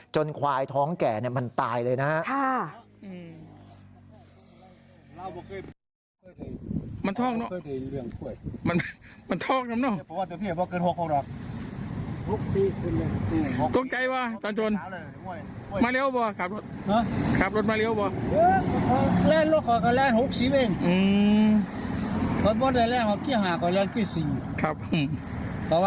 จนควายท้องแก่มันตายเลยนะฮะ